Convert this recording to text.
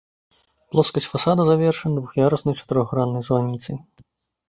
Плоскасць фасада завершана двух'яруснай чатырохграннай званіцай.